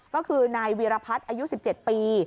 ก็คือนายวีรพัฒน์อายุ๑๗ปี